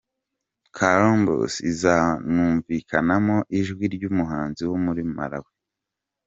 Columbus izanumvikanamo ijwi ry’umuhanzi wo muri Malawi.